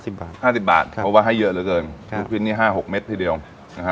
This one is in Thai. ห้าสิบบาทห้าสิบบาทครับเพราะว่าให้เยอะเลยเกินครับนี่ห้าหกเม็ดทีเดียวอ่าฮะ